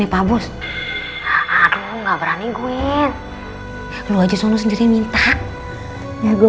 sebuah negara yang memibatkan kendaraan indonesia